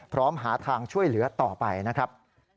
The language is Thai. หาทางช่วยเหลือต่อไปนะครับ